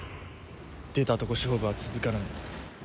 出たとこ勝負は続かない。